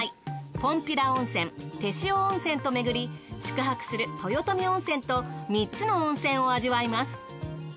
ぽんぴら温泉てしお温泉とめぐり宿泊する豊富温泉と３つの温泉を味わいます。